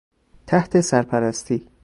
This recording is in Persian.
تحت سرپرستی...